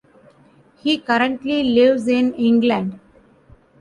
He currently lives in England.